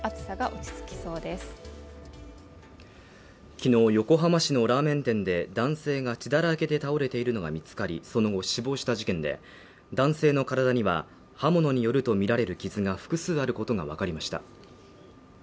昨日、横浜市のラーメン店で男性が血だらけで倒れているのが見つかりその後死亡した事件で男性の体には刃物によるとみられる傷が複数あることが分かりました